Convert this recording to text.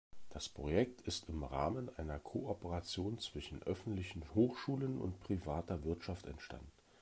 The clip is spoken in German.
Das Projekt ist im Rahmen einer Kooperation zwischen öffentlichen Hochschulen und privater Wirtschaft entstanden.